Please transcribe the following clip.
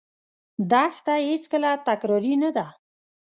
دښته هېڅکله تکراري نه ده.